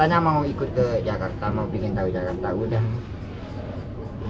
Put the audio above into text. soalnya mau ikut ke jakarta mau bikin tahu jakarta udah